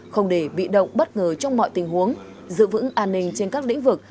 không để bị động bất ngờ trong mọi tình huống giữ vững an ninh trên các lĩnh vực